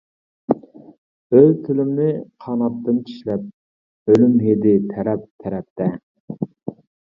ئۆز تىلىمنى قاناتتىم چىشلەپ، ئۆلۈم ھىدى تەرەپ-تەرەپتە.